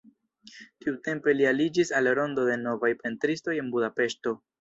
Tiutempe li aliĝis al rondo de novaj pentristoj en Budapeŝto.